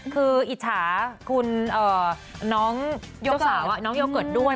คืออิจฉาคุณน้องเยาะเกิดด้วย